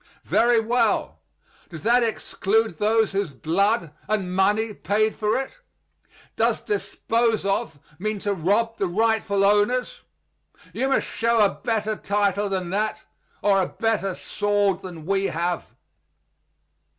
Very well. Does that exclude those whose blood and money paid for it? Does "dispose of" mean to rob the rightful owners? You must show a better title than that, or a better sword than we have.